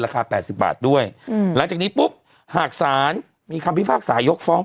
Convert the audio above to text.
ราคา๘๐บาทด้วยหลังจากนี้ปุ๊บหากศาลมีคำพิพากษายกฟ้อง